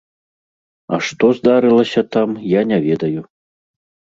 А што здарылася там, я не ведаю.